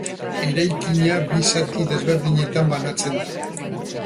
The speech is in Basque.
Eraikina bi zati desberdinetan banatzen da.